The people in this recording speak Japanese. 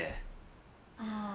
ああ。